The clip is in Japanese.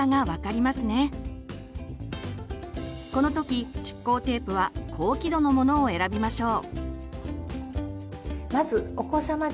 この時蓄光テープは「高輝度」のものを選びましょう。